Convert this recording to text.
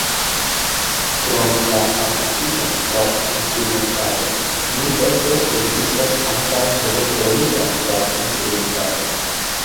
Krom la akustika frapinstrumentaro nuntempe ekzistas ankaŭ elektronika frapinstrumentaro.